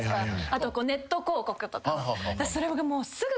あとネット広告とか。